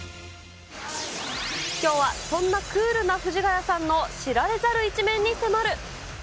きょうはそんなクールな藤ヶ谷さんの知られざる一面に迫る。